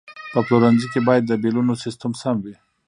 په پلورنځي کې باید د بیلونو سیستم سم وي.